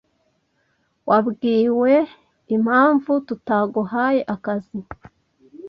Wabwiwe impamvu tutaguhaye akazi?